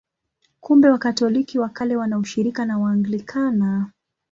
Kumbe Wakatoliki wa Kale wana ushirika na Waanglikana.